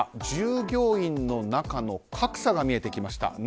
従業員の中で格差が見えてきました。